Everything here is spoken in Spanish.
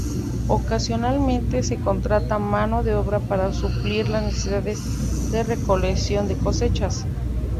Ocasionalmente se contrata mano de obra para suplir las necesidades de recolección de cosechas.